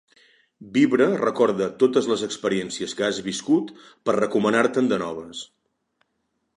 Vibra recorda totes les experiències que has viscut per recomanar-te'n de noves.